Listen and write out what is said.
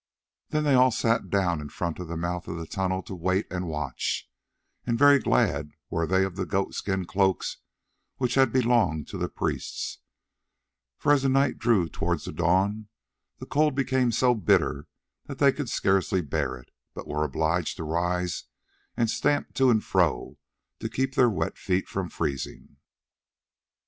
Then they all sat down in front of the mouth of the tunnel to wait and watch, and very glad were they of the goat skin cloaks which had belonged to the priests, for as the night drew towards the dawn, the cold became so bitter that they could scarcely bear it, but were obliged to rise and stamp to and fro to keep their wet feet from freezing.